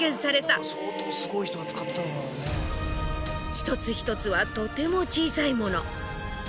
一つ一つはとても小さいもの。